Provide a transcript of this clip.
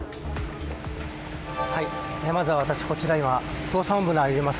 まずは私、こちら捜査本部のあります